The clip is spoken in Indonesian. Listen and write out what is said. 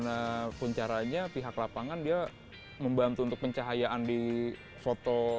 nah kuncaranya pihak lapangan dia membantu untuk pencahayaan di foto